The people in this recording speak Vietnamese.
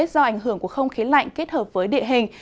do ảnh hưởng của không khí lạnh kết hợp với địa hình